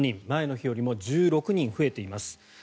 前の日よりも１６人増えています。